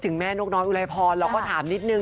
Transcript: แน่ด้วยค่ะ